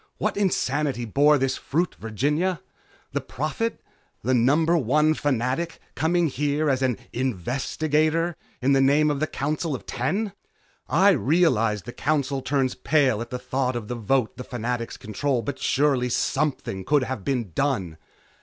What insanity bore this fruit, Virginia? The Prophet, the number one Fanatic, coming here as an investigator in the name of the Council of Ten! I realize the Council turns pale at the thought of the vote the Fanatics control, but surely something could have been done!